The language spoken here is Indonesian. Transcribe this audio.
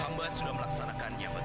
hambas sudah melaksanakannya mbak gita